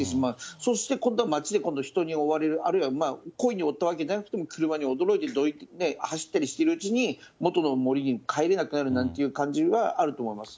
そして今度は街で今度は人に追われる、あるいは故意に追ったわけではなくても、車に驚いて、走ったりしてるうちに、元の森に帰れなくなるなんていう感じはあると思いますね。